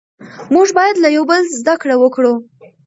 موږ بايد له يوه بل زده کړه وکړو.